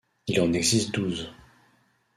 Il en existe douze.